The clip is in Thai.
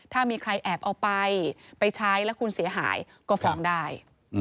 ถ้ามีใครแอบเอาไปไปใช้แล้วคุณเสียหายก็ฟ้องได้